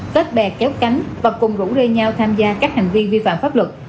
kết bè kéo cánh và cùng rũ rê nhau tham gia các hành vi vi phạm pháp luật